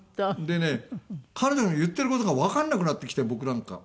でね彼女の言ってる事がわかんなくなってきて僕なんか。